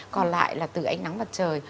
còn lại là từ ánh nắng mặt trời